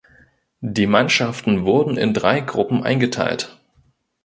Die Mannschaften wurden in drei Gruppen eingeteilt.